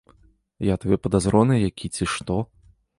Я табе падазроны які ці што?